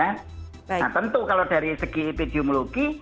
nah tentu kalau dari segi epidemiologi